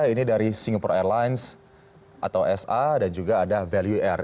ini dari singapore airlines atau sa dan juga ada value air